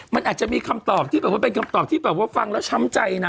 มันอาจจะมีคำตอบที่แบบว่าเป็นคำตอบที่แบบว่าฟังแล้วช้ำใจนะ